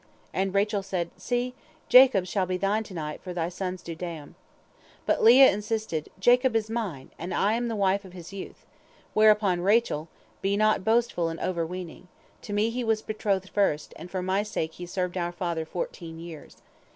And Rachel said, 'See, Jacob shall be thine to night for thy son's dudaim.' But Leah insisted, 'Jacob is mine, and I am the wife of his youth,' whereupon Rachel, 'Be not boastful and overweening. To me he was betrothed first, and for my sake he served our father fourteen years.